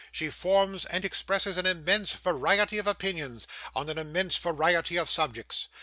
She forms and expresses an immense variety of opinions on an immense variety of subjects.